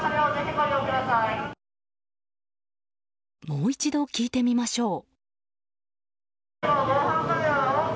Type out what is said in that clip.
もう一度聞いてみましょう。